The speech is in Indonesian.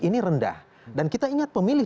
ini rendah dan kita ingat pemilih